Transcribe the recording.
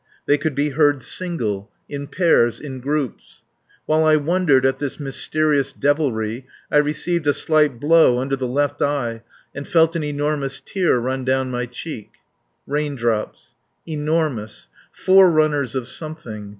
They could be heard single, in pairs, in groups. While I wondered at this mysterious devilry, I received a slight blow under the left eye and felt an enormous tear run down my cheek. Raindrops. Enormous. Forerunners of something.